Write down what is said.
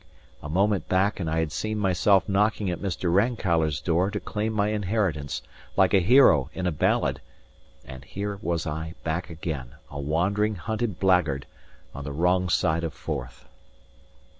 A moment back and I had seen myself knocking at Mr. Rankeillor's door to claim my inheritance, like a hero in a ballad; and here was I back again, a wandering, hunted blackguard, on the wrong side of Forth.